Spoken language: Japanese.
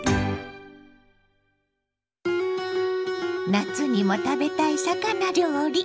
夏にも食べたい魚料理。